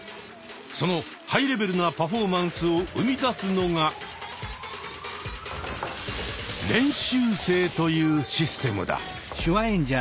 そのハイレベルなパフォーマンスを生み出すのが「練習生」というシステムだ。